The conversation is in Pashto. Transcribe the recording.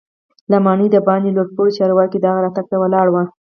له ماڼۍ دباندې لوړ پوړي چارواکي د هغه راتګ ته ولاړ وو.